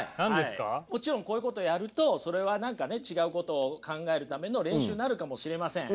もちろんこういうことやるとそれは何かね違うことを考えるための練習になるかもしれません。